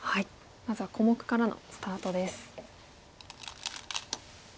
まずは小目からのスタートです。